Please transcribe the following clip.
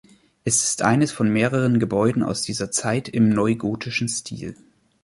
Es ist eines von mehreren Gebäuden aus dieser Zeit im neugotischen Stil.